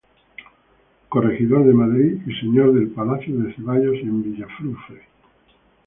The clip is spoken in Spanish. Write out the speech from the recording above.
Corregidor de Madrid y Señor del Palacio de Ceballos en Villafufre.